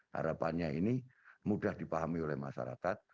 harapannya ini mudah dipahami oleh masyarakat